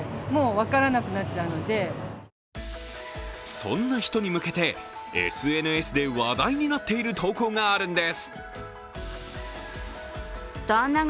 そんな人に向けて、ＳＮＳで話題になっている投稿があるんです。